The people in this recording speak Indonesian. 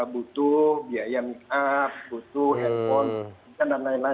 butuh biaya meet up butuh handphone dll